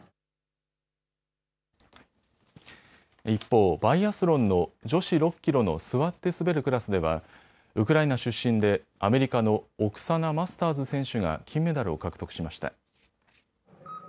一方、バイアスロンの女子６キロの座って滑るクラスではウクライナ出身でアメリカのオクサナ・マスターズ選手が金メダルを獲得しました。